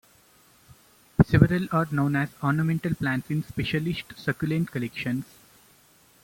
Several are known as ornamental plants in specialist succulent collections.